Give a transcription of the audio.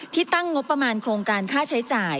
ตั้งงบประมาณโครงการค่าใช้จ่าย